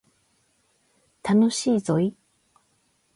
楽しいぞい